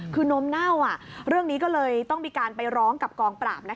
คือนมเน่าเรื่องนี้ก็เลยต้องมีการไปร้องกับกองปราบ